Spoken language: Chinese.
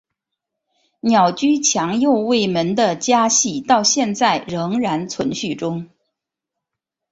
鸟居强右卫门的家系到现在仍然存续中。